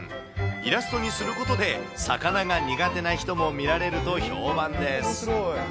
イラストにすることで、魚が苦手な人も見られると評判です。